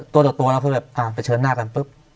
ตัวตัวตัวแล้วคือแบบไปเชิญหน้ากัน